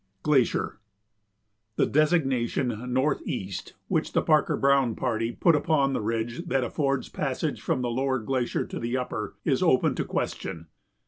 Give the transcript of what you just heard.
[Sidenote: Glacier] The designation "Northeast," which the Parker Browne party put upon the ridge that affords passage from the lower glacier to the upper, is open to question.